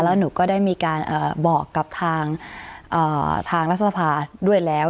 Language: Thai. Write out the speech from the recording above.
แล้วหนูก็ได้มีการบอกกับทางรัฐสภาด้วยแล้ว